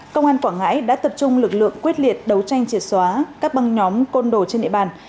công an quảng ngãi đã tập trung lực lượng quyết liệt đấu tranh triệt xóa các băng nhóm côn đồ trên địa bàn